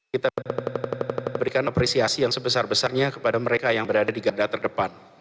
kita berikan apresiasi yang sebesar besarnya kepada mereka yang berada di garda terdepan